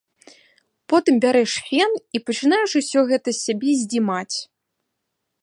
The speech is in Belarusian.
Потым бярэш фен і пачынаеш усё гэта з сябе здзімаць.